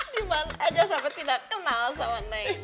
dimana aja sampai tidak kenal sama neng